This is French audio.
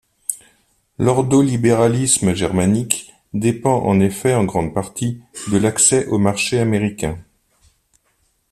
L'ordolibéralisme germanique dépend en effet en grande partie de l'accès au marché américain.